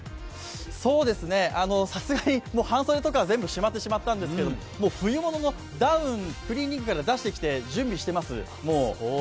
さすがに半袖とかは全部しまってしまったんですけれどももう冬物のダウンをクリーニングから出してきて準備してます。